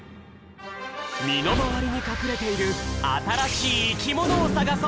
みのまわりにかくれているあたらしいいきものをさがそう！